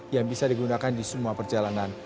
yang bisa digunakan di semua perjalanan